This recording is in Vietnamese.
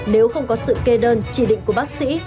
nếu không có sự kê đơn chỉ định của bác sĩ